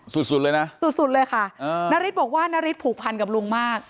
สุดสุดเลยนะสุดสุดเลยค่ะนาริสบอกว่านาริสผูกพันกับลุงมาก